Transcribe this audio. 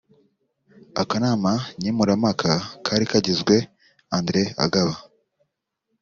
Akanama nkemurampaka kari kagizwe Andrew Agaba